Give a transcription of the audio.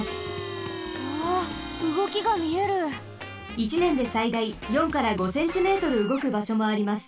１ねんでさいだい４から５センチメートルうごくばしょもあります。